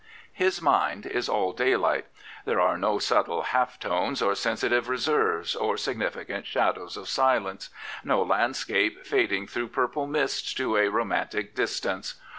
His mind is all daylight. There are no subtle half tones, or sensitive reserves, or significant shadows of silence; no landscape fading through purple mists to a romantic distance.